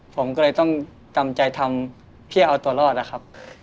ผมก็เลยต้องจำใจทำเพื่อเอาตัวรอดนะครับ